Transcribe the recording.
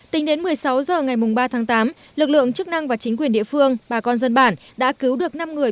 tính đến một mươi sáu h ngày ba tháng tám lực lượng chức năng và chính quyền địa phương bà con dân bản đã cứu được năm người